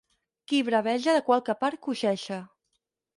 Qui braveja, de qualque part coixeja.